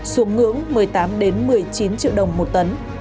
xuống ngưỡng một mươi tám một mươi chín triệu đồng một tấn